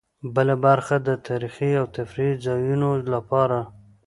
بله برخه د تاريخي او تفريحي ځایونو لپاره.